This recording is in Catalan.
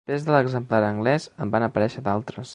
Després de l'exemplar anglès en van aparèixer d'altres.